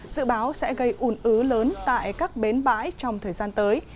dự báo sẽ gây ủn ứ lớn tại các bến bãi trong thời gian tới